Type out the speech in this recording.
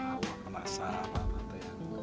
ya awal penasaran apaan tuh ya